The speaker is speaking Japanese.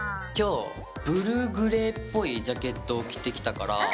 今日ブルーグレーっぽいジャケットを着てきたから。